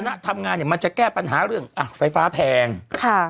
ณทำงานเนี้ยมันจะแก้ปัญหาเรื่องอ่ะไฟฟ้าแพงค่ะ